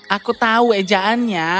aku tahu ejaannya